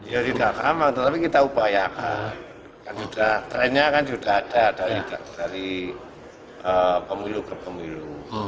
ya tidak akan tapi kita upayakan trendnya kan sudah ada dari pemilu ke pemilu